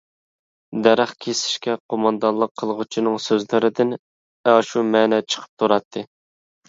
دەرەخ كېسىشكە قوماندانلىق قىلغۇچىنىڭ سۆزلىرىدىن ئاشۇ مەنە چىقىپ تۇراتتى.